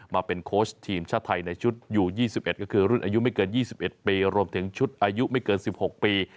มาเป็นโค้ชทีมชาติไทยในชุดอยู่๒๑ก็คือรุ่นอายุไม่เกิน๒๑ปีรวมถึงชุดอายุไม่เกิน๑๖ปี